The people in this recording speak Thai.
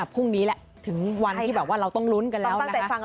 พรุ่งนี้แหละถึงวันที่เราต้องรุ้นกันแล้ว